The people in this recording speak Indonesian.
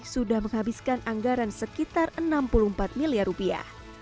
sudah menghabiskan anggaran sekitar enam puluh empat miliar rupiah